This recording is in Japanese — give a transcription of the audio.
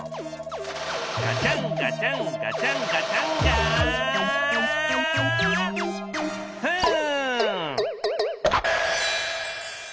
ガチャンガチャンガチャンガチャンガフン！